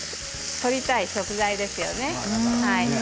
とりたい食材ですよね。